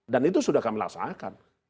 dan itu sudah kami laksanakan